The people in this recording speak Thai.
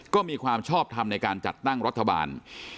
ก็มีความชอบทำในการจัดตั้งรัฐบาล